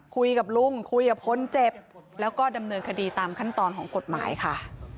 คุยกับลุงคุยกับคนเจ็บแล้วก็ดำเนินคดีตามขั้นตอนของกฎหมายค่ะ